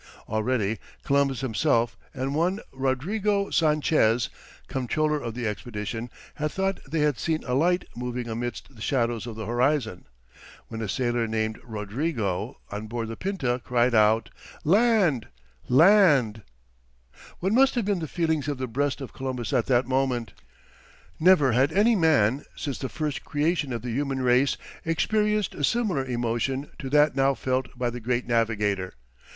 Already, Columbus himself, and one Rodrigo Sanchez, comptroller of the expedition, had thought they had seen a light moving amidst the shadows of the horizon, when a sailor named Rodrigo, on board the Pinta, cried out, "Land, land." [Illustration: What must have been the feelings in the breast of Columbus at that moment?] What must have been the feelings in the breast of Columbus at that moment? Never had any man, since the first creation of the human race experienced a similar emotion to that now felt by the great navigator.